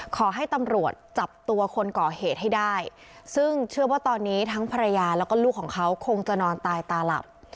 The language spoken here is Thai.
ขอให้ตำรวจจับตัวคนก่อเหตุให้ได้ซึ่งเชื่อว่าตอนนี้ทั้งภรรยาแล้วก็ลูกของเขาคงจะนอนตายตาหลับ